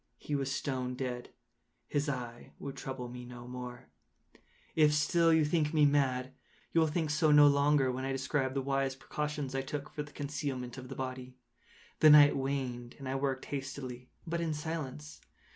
He was stone dead. His eye would trouble me no more. If still you think me mad, you will think so no longer when I describe the wise precautions I took for the concealment of the body. The night waned, and I worked hastily, but in silence.